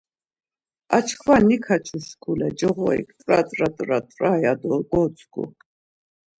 Ar çkva nikaçu şkule coğorik t̆ra t̆ra t̆ra t̆ra! ya do gadzgu.